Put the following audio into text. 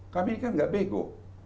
kami kan nggak bego